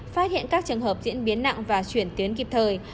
phát hiện các trường hợp diễn biến nặng và chuyển tuyến kịp thời